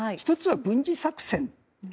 １つは軍事作戦。